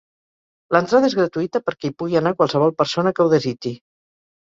L'entrada és gratuïta perquè hi pugui anar qualsevol persona que ho desitgi.